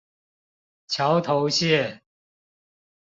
橋頭線